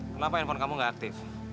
kenapa handphone kamu gak aktif